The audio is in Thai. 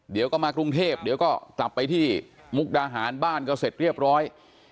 เดี๋ยวก็มากรุงเทพเดี๋ยวก็กลับไปที่มุกดาหารบ้านก็เสร็จเรียบร้อย